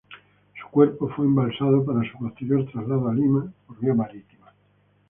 Su cuerpo fue embalsamado para su posterior traslado a Lima, por vía marítima.